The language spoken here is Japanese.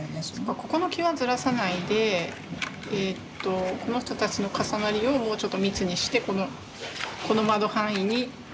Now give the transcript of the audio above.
ここの際はずらさないでこの人たちの重なりをもうちょっと密にしてこの窓範囲に収める。